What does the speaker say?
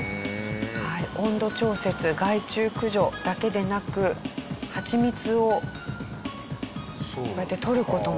温度調節害虫駆除だけでなくはちみつをこうやってとる事も。